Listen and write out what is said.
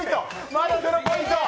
まだ０ポイント。